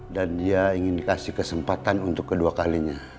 dan dia ingin dikasih kesempatan untuk kedua kalinya